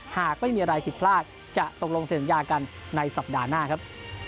หากไม่มีอะไรผิดพลาดจะตกลงเสร็จสัญญากันในสัปดาห์หน้าครับ